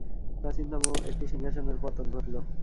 প্রাচীনতম একটি সিংহাসনের পতন ঘটল।